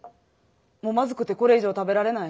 もうまずくてこれ以上食べられない？